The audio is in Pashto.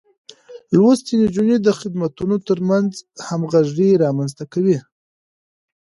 لوستې نجونې د خدمتونو ترمنځ همغږي رامنځته کوي.